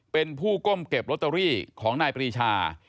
เป็นผู้ก้มเก็บลอตเตอรี่ของนายปรีชา